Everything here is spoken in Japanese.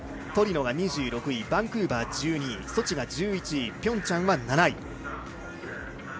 トリノは２６位バンクーバーは１２位ソチが１１位ピョンチャンは７位。